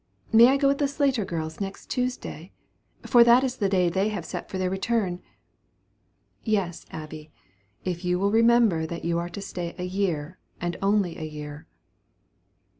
May I go with the Slater girls next Tuesday? for that is the day they have set for their return." "Yes, Abby, if you will remember that you are to stay a year, and only a year."